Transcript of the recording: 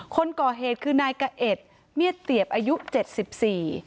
คนก่อเหตุคือนายกะเอ็ดเมียดเตียบอายุเจ็ดสิบสี่